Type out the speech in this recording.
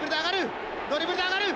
ドリブルで上がる！